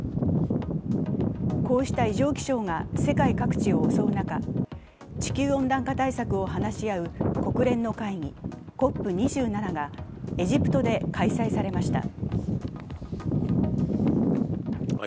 こうした異常気象が世界各地を襲う中、地球温暖化対策を話し合う国連の会議、ＣＯＰ２７がエジプトで開催されました。